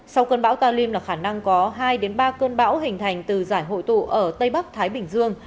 sau cơn bão talim là khả năng có hai ba cơn bão hình thành từ giải hội tụ ở tây bắc thái bình dương